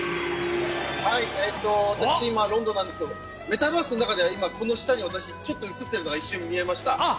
私今、ロンドンなんですけれどもメタバースの中ではこの下に私、今ちょっと映っているのが見えました。